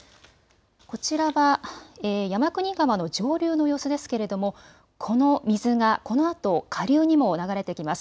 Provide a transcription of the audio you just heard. こちらが山国川の上流の様子ですけれどもこの水が、このあと下流にも流れてきます。